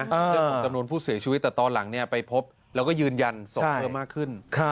เรื่องของจำนวนผู้เสียชีวิตแต่ตอนหลังไปพบแล้วก็ยืนยันศพเพิ่มมากขึ้น